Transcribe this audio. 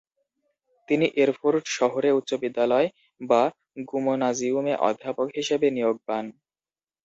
তিনি এরফুর্ট শহরে উচ্চবিদ্যালয় বা গুমনাজিউমে অধ্যাপক হিসেবে নিয়োগ পান।